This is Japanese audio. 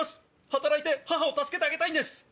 働いて母を助けてあげたいんです。